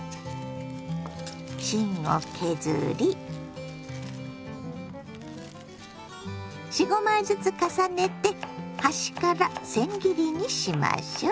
芯を削り４５枚ずつ重ねて端からせん切りにしましょ。